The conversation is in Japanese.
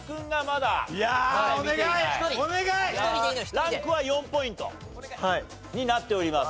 ランクは４ポイントになっております。